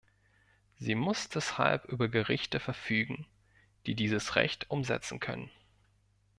Sie muss deshalb über Gerichte verfügen, die dieses Recht umsetzen können.